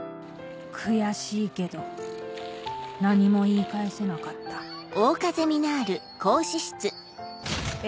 悔しいけど何も言い返せなかったえ